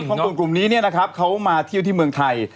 ฮ่องกงกลุ่มนี้เขามาเที่ยวที่เมืองไทย